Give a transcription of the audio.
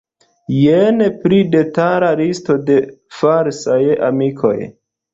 Jen pli detala listo de falsaj amikoj.